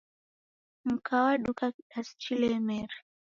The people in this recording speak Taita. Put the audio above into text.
Mka waduka kidasi chilemere